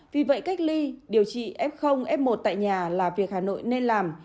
vì vậy cách ly điều trị f f một tại nhà là việc hà nội nên làm